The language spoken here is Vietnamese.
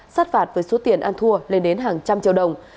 sát phạt với số tiền ăn thua lên đến hàng trăm triệu đồng